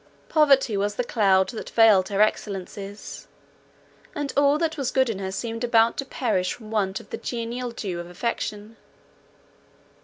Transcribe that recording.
Poverty was the cloud that veiled her excellencies, and all that was good in her seemed about to perish from want of the genial dew of affection.